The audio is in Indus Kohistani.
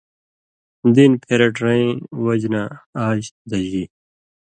(دین) پھېرٹیۡرَیں وجہۡ نہ آژ دژی!